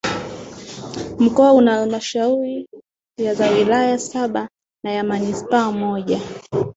Mkoa una Halmashauri za wilaya Saba na ya Manispaa moja